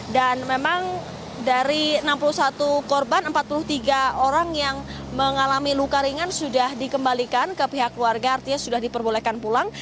dan memang dari enam puluh satu korban empat puluh tiga orang yang mengalami luka ringan sudah dikembalikan ke pihak keluarga artinya sudah diperbolehkan pulang